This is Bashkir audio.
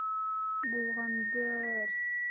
Булғанды-ы-ыр...